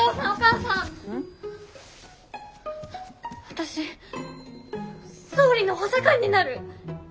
私総理の補佐官になる！